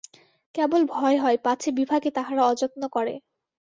কেবল ভয় হয় পাছে বিভাকে তাহারা অযত্ন করে।